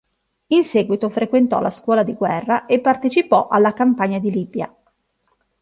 In seguito frequentò la scuola di guerra e partecipò alla campagna di Libia.